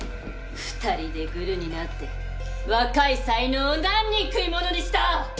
２人でグルになって若い才能を何人食い物にした！？